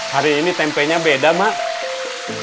hari ini tempenya beda mak